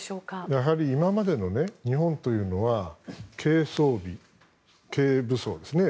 やはり今までの日本というのは軽装備、軽武装ですね